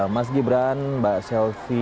mas gibran mbak selvi